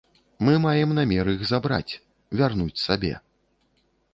Мы маем намер іх забраць, вярнуць сабе.